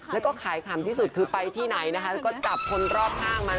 และค้ายคำที่สุดก็จะไปที่ไหนที่นัดชีวา